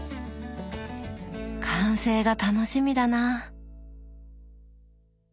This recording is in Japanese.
完成が楽しみだな。